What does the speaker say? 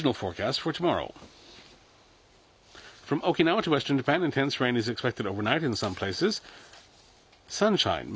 そうですね。